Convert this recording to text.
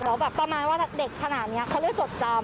แล้วแบบประมาณว่าเด็กขนาดนี้เขาเลยจดจำ